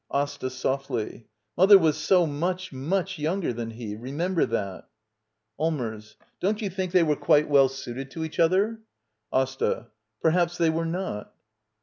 AsTA. [Softly.] Mother was so much, much younger than he; remember that. Allmers. Don't you think that they were quite well suited to each other. AsTA. Perhaps they were not.